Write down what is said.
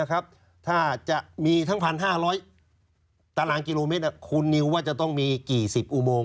ถ้าจะมีทั้ง๑๕๐๐ตารางกิโลเมตรคุณนิวว่าจะต้องมีกี่สิบอุโมง